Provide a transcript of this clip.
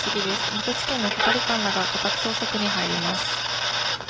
水戸地検の係官らが家宅捜索に入ります。